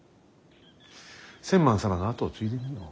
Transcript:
千幡様が跡を継いでみよ。